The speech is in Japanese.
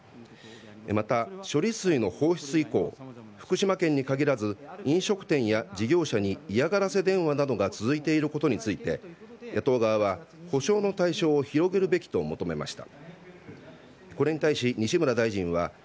また、処理水の放出以降福島県に限らず飲食店や事業者に嫌がらせ電話などが続いていることについて野党側は補償の対象を広げるべきと、求めました。